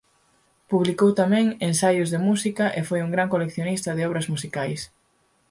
Publicou tamén ensaios de música e foi un gran coleccionista de obras musicais.